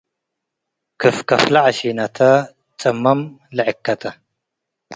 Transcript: ክፍከፍ ለዐሺነት ጽመም ለዕከተ፣